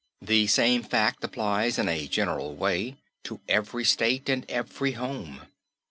The same fact applies in a general way to every state and every home.